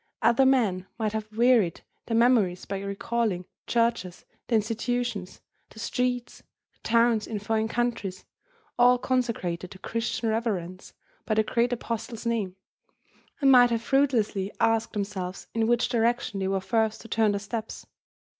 Other men might have wearied their memories by recalling the churches, the institutions, the streets, the towns in foreign countries, all consecrated to Christian reverence by the great apostle's name, and might have fruitlessly asked themselves in which direction they were first to turn their steps.